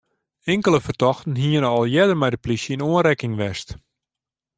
Inkelde fertochten hiene al earder mei de plysje yn oanrekking west.